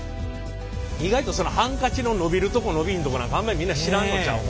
意外とそのハンカチの伸びるとこ伸びんとこなんかあんまりみんな知らんのちゃう？